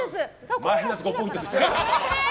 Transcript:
マイナス５ポイントです。